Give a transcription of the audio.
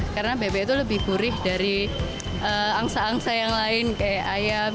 karena bebek itu lebih gurih dari angsa angsa yang lain kayak ayam